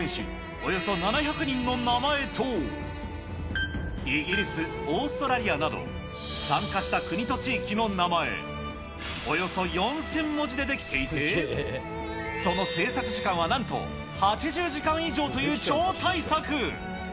およそ７００人の名前と、イギリス、オーストラリアなど、参加した国と地域の名前、およそ４０００文字で出来ていて、その制作時間はなんと８０時間以上という超大作。